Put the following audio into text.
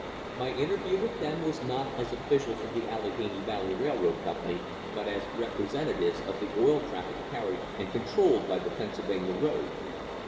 My interview with them was not as officials of the Allegheny Valley Railroad Company, but as representatives of the oil traffic carried and controlled by the Pennsylvania road.